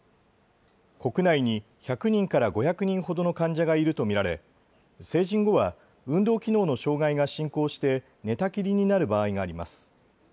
国内に１００人から５００人ほどの患者がいると見られ成人後は運動機能の障害が進行して寝たきりになる場合があります。